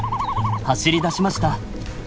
走りだしました。